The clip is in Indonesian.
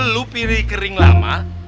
lo pilih kering lama